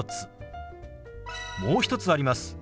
もう一つあります。